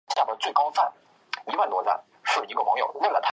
其广告短片由负责制作。